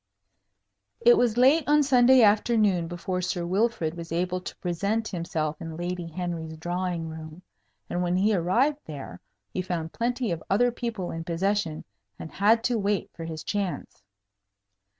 It was late on Sunday afternoon before Sir Wilfrid was able to present himself in Lady Henry's drawing room; and when he arrived there, he found plenty of other people in possession, and had to wait for his chance.